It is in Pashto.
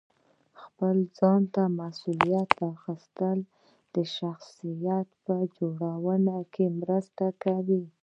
خپل ځان ته مسؤلیت اخیستل د شخصیت په جوړونه کې مرسته کوي.